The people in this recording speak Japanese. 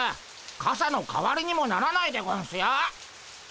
かさの代わりにもならないでゴンスよ。